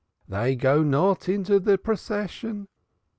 Dey go not in de procession.